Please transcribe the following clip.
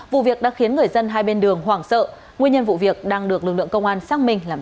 vụ việc đã khiến người dân hai bên đường hoảng sợ nguyên nhân vụ việc đang được lực lượng công an xác minh làm rõ